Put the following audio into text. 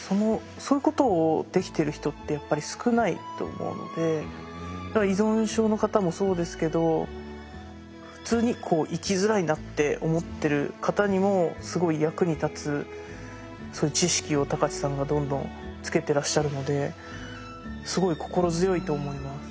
そういうことをできてる人ってやっぱり少ないと思うので依存症の方もそうですけど普通にこう生きづらいんだって思ってる方にもすごい役に立つそういう知識を高知さんがどんどんつけてらっしゃるのですごい心強いと思います。